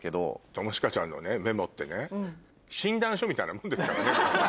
友近ちゃんのメモって診断書みたいなもんですからね。